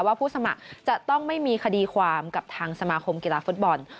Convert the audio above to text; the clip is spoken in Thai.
ผู้สมัครจะต้องไม่มีคดีความกับทางสมาคมกีฬาฟุตบอล